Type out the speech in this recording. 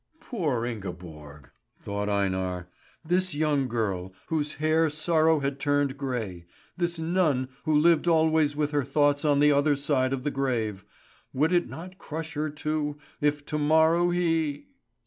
"Poor Ingeborg!" thought Einar. This young girl, whose hair sorrow had turned grey this nun, who lived always with her thoughts on the other side of the grave would it not crush her, too, if to morrow he